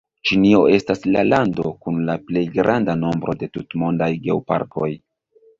Ĉinio estas la lando kun la plej granda nombro de tutmondaj geoparkoj.